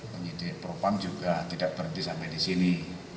penyidik propam juga tidak berhenti sampai di sini